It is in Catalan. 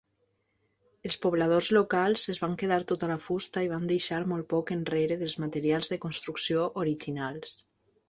Els pobladors locals es van quedar tota la fusta i van deixar molt poc enrere dels materials de construcció originals.